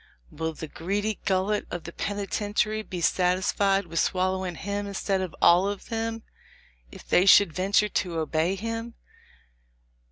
"Will the greedy gullet of the penitentiary be sat isfied with swallowing him instead of all of them, if they should venture to obey him?